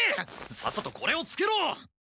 さっさとこれをつけろ！